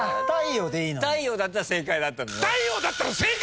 太陽だったら正解だった。